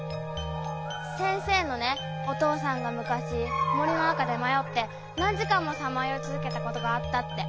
先生のお父さんが昔森の中で迷って何時間もさまよい続けたことがあったって。